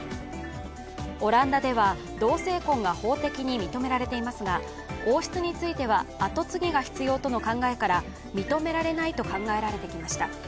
オランダでは同性婚が法的に認められていますが王室については跡継ぎが必要との考えから認められないと考えられてきました。